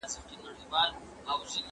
د علم زده کړه په هر چا لازمه ده.